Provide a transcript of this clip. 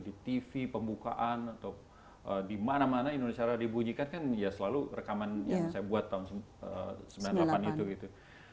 di tv pembukaan atau di mana mana indonesia raya dibunyikan kan ya selalu rekaman yang saya buat tahun sembilan puluh delapan itu gitu